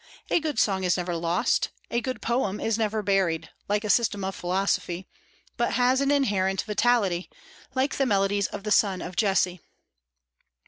A good song is never lost; a good poem is never buried, like a system of philosophy, but has an inherent vitality, like the melodies of the son of Jesse.